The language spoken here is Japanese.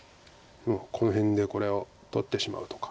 もうこの辺でこれを取ってしまうとか。